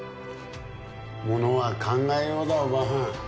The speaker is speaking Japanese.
ものは考えようだおばはん。